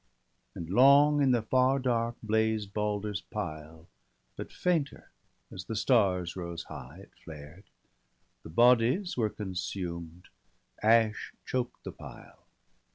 And long, in the far dark, blazed Balder's pile ; But fainter, as the stars rose high, it flared; The bodies were consumed, ash choked the pile.